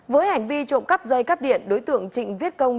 với hành vi trộm cắp dây cắp điện đối tượng trịnh viết công